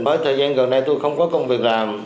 bởi thời gian gần này tôi không có ma túy